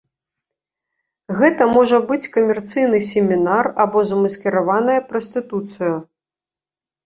Гэта можа быць камерцыйны семінар або замаскіраваная прастытуцыя.